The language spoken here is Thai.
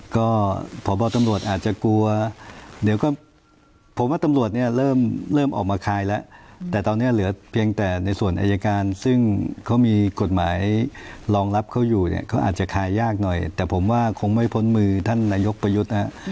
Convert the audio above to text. ก็พบตำรวจอาจจะกลัวเดี๋ยวก็ผมว่าตำรวจเนี่ยเริ่มออกมาคลายแล้วแต่ตอนนี้เหลือเพียงแต่ในส่วนอายการซึ่งเขามีกฎหมายรองรับเขาอยู่เนี่ยเขาอาจจะคลายยากหน่อยแต่ผมว่าคงไม่พ้นมือท่านนายกประยุทธ์นะฮะ